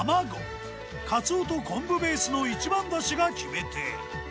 かつおと昆布ベースの一番だしが決め手。